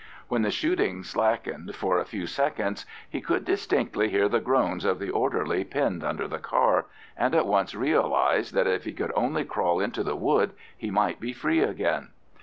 When the shooting slackened for a few seconds he could distinctly hear the groans of the orderly pinned under the car, and at once realised that if he could only crawl into the wood he might be free again.